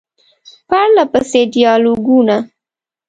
پرله پسې ډیالوګونه ،